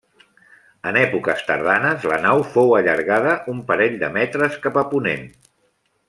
En èpoques tardanes la nau fou allargada un parell de metres cap a ponent.